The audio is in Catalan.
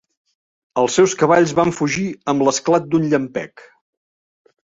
Els seus cavalls van fugir amb l'esclat d'un llampec.